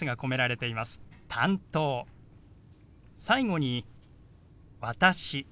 最後に「私」。